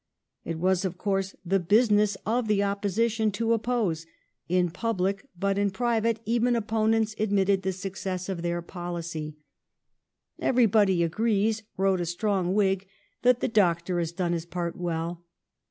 It was of course the business of the Opposition to oppose — in public, but in private even opponents admitted the success of their policy. 1822] QUEEN CAROLINE $9 " Everybody agrees," ^vl•ote a strong Whig, "that the Doctor has done his part well."